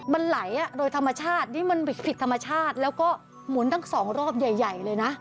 มันไหลโดยธรรมชาตินี่มันผิดธรรมชาติแล้วก็หมุนทั้งสองรอบใหญ่เลยนะ